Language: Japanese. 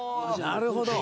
なるほど！